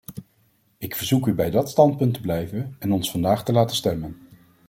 Ik verzoek u bij dat standpunt te blijven en ons vandaag te laten stemmen.